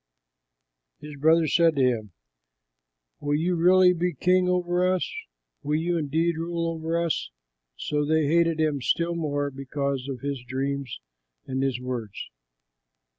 His brothers said to him, "Will you really be king over us? Will you indeed rule over us?" So they hated him still more because of his dreams and his words.